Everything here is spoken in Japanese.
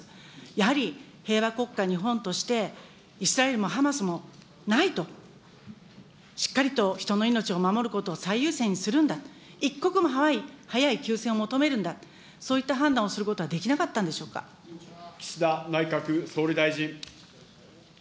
やはり平和国家、日本としてイスラエルもハマスもないと、しっかりと人の命を守ることを最優先にするんだ、一刻も早い休戦を求めるんだ、そういった判断をすることはできな岸田内閣総理大臣。